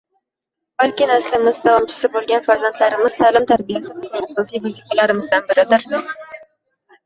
Balki naslimiz davomchisi bo‘lgan farzandlarimiz ta’lim-tarbiyasi bizning asosiy vazifalarimizdan biridir